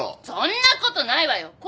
そんなことないわよ！